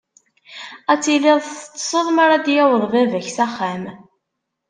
Ad tiliḍ teṭṭseḍ mara d-yaweḍ baba-k s axxam.